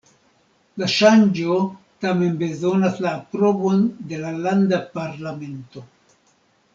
La ŝanĝo tamen bezonas la aprobon de la landa parlamento.